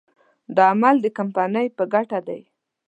دا عمل د کمپنۍ په ګټه دی.